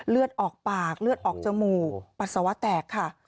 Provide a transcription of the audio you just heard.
เลือดออกปากเลือดออกจมูกปัสสาวะแตกค่ะ